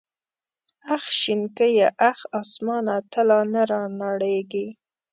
اخ شنکيه اخ اسمانه ته لا نه رانړېږې.